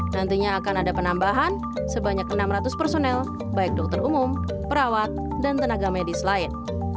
nantinya akan ada penambahan sebanyak enam ratus personel baik dokter umum perawat dan tenaga medis lain